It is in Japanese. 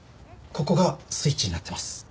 ここがスイッチになってます。